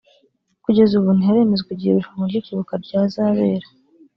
kugeza ubu ntiharemezwa igihe irushanwa ryo kwibuka ryazabera